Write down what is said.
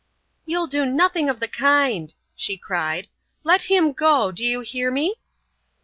"You'll do nothing of the kind," she cried. "Let him go; do you hear me?"